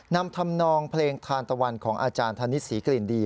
นำทำนองเพลงทานตะวันของอาจารย์ธนิษฐศรีกลิ่นดี